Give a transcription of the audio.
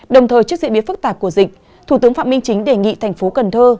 đồng thời trước diễn biến phức tạp của dịch thủ tướng phạm minh chính đề nghị thành phố cần thơ